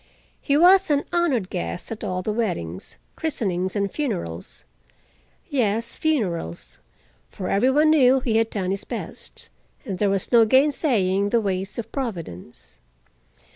He was an honored guest at all the weddings, christenings, and funerals—yes, funerals—for every one knew he had done his best, and there was no gainsaying the ways of Providence.